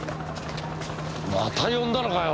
また呼んだのかよ？